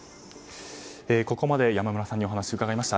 ここまで山村さんにお話を伺いました。